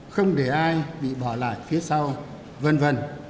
không để ai bị bỏ lại phía sau v v